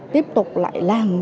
tiếp tục lại làm